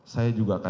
saya juga kasihan